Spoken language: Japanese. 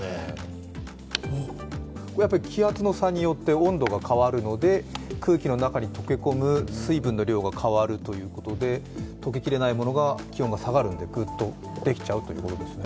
気圧の差によって温度が変わるので空気の中に溶け込む水分の量が変わるということでとけきれないものが気温が下がるんでグッとできちゃうということですね。